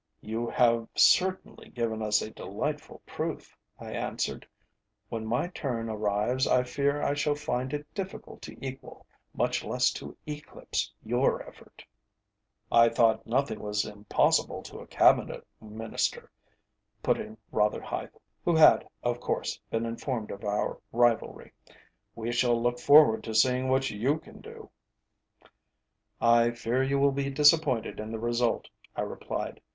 "You have certainly given us a delightful proof," I answered. "When my turn arrives, I fear I shall find it difficult to equal, much less to eclipse, your effort." "I thought nothing was impossible to a Cabinet Minister," put in Rotherhithe, who had, of course, been informed of our rivalry. "We shall look forward to seeing what you can do." "I fear you will be disappointed in the result," I replied.